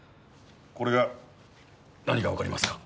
これが何かわかりますか？